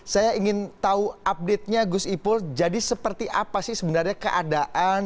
saya ingin tahu update nya gus ipul jadi seperti apa sih sebenarnya keadaan